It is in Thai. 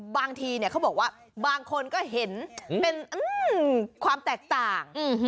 บางทีเขาบอกว่าบางคนก็เห็นเป็นความแตกต่าง